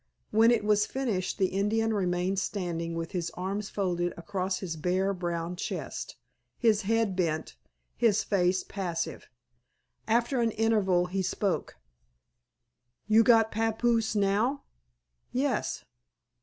When it was finished the Indian remained standing with his arms folded across his bare brown chest, his head bent, his face impassive. After an interval he spoke. "You got papoose now?" "Yes."